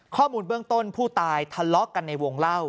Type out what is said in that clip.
ข้อมูลเบื้องต้นผู้ตายทะเลาะกันในวงเล่า